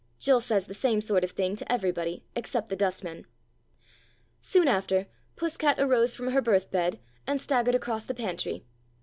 Jill says the same sort of thing to everybody except the dustman. Soon after, Puss cat arose from her birth bed and staggered across the pantry.